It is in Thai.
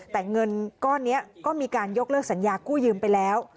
แต่เงินก้อนนี้ก็มีการยกเลิกสัญญากู้ยืมไปแล้ว